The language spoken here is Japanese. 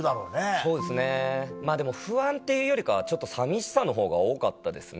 そうですねまぁでも不安っていうよりかはちょっと寂しさのほうが多かったですね。